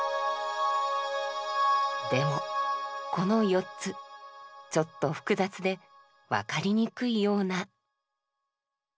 でもこの４つちょっと複雑で分かりにくいような。